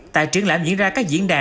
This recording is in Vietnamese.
tại triển lãm diễn ra các diễn đàn